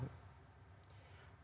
maka tidak dilarang